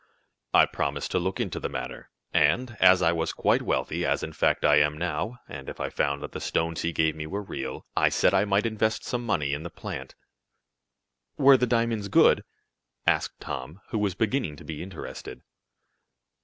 "I promised to look into the matter, and, as I was quite wealthy, as, in fact I am now, and if I found that the stones he gave me were real, I said I might invest some money in the plant." "Were the diamonds good?" asked Tom, who was beginning to be interested.